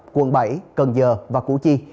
quận bảy cần giờ và củ chi